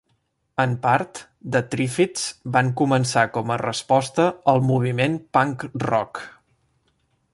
En part, The Triffids van començar com a resposta al moviment punk rock.